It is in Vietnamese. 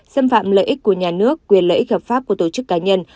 xâm phạm lợi ích của nhà nước quyền lợi ích hợp pháp của tổ chức cá nhân